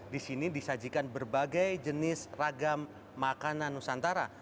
di sini disajikan berbagai jenis ragam makanan nusantara